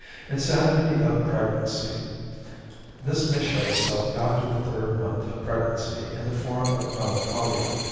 =Insanity of Pregnancy.= This may show itself after the third month of pregnancy in the form of melancholia.